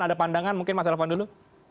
ada pandangan mungkin mas elvan dulu